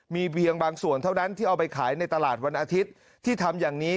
มีเพียงบางส่วนเท่านั้นที่เอาไปขายในตลาดวันอาทิตย์ที่ทำอย่างนี้